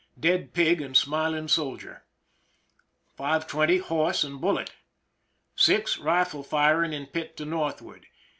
Dead pig and smiling soldier. 5 : 20, horse and buUet. 6, rifle firing in pit to northward.